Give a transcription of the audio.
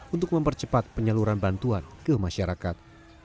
untuk mempercepat penyaluran bantuan ke masyarakat